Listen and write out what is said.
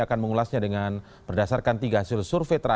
akan berlangsung lebih dari satu putaran